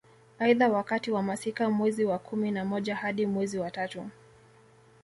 Aidha wakati wa masika mwezi wa kumi na moja hadi mwezi wa tatu